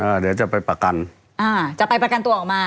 เดี๋ยวจะไปประกันอ่าจะไปประกันตัวออกมา